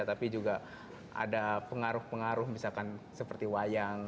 tapi juga ada pengaruh pengaruh misalkan seperti wayang